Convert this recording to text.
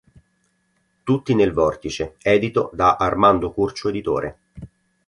Tutti nel vortice" edito da Armando Curcio Editore.